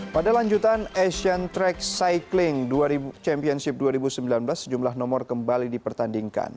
pada lanjutan asian track cycling championship dua ribu sembilan belas sejumlah nomor kembali dipertandingkan